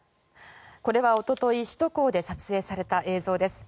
これはおととい首都高で撮影された映像です。